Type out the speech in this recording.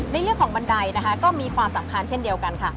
ในเรื่องของบันไดนะคะก็มีความสำคัญเช่นเดียวกันค่ะ